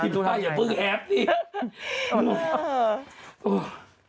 ปิ๊นสุดท้ายอย่ามือแฮปส์นี่